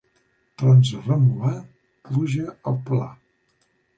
Trons a Remolar, pluja al pla.